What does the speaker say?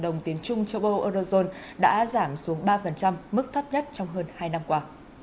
đồng tiến trung châu âu eurozone đã giảm xuống ba mức thấp nhất trong hơn hai năm qua